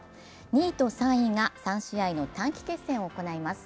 ２位と３位が３試合の短期決戦を行います。